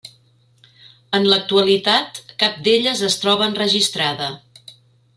En l'actualitat, cap d'elles es troba enregistrada.